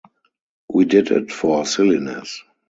We did it for silliness.